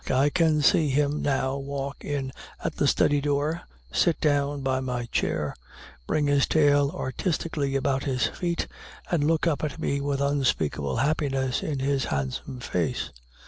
I can see him now walk in at the study door, sit down by my chair, bring his tail artistically about his feet, and look up at me with unspeakable happiness in his handsome face.